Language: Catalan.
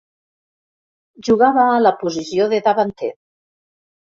Jugava a la posició de davanter.